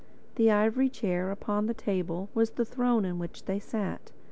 The ivory chair upon the table was the throne in which they sat.